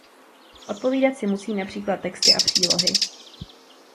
Odpovídat si musí například texty a přílohy.